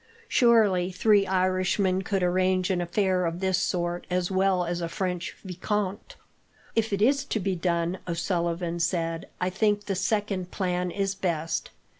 Surely three Irishmen could arrange an affair of this sort as well as a French vicomte." "If it is to be done," O'Sullivan said, "I think the second plan is best.